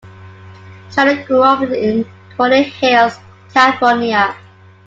Shannon grew up in Rolling Hills, California.